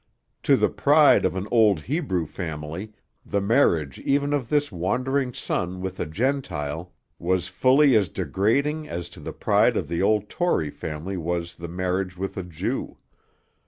To the pride of an old Hebrew family, the marriage even of this wandering son with a Gentile was fully as degrading as to the pride of the old Tory family was the marriage with a Jew.